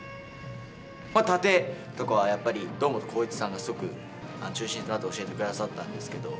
タテとかは、やっぱり堂本光一さんがすごく中心となって教えてくださったんですけど。